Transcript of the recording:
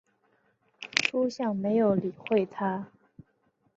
叔向没有理会他。